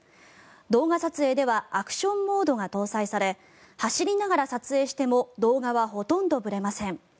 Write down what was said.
動画撮影ではアクションモードが搭載され走りながら撮影しても動画はほとんどぶれません。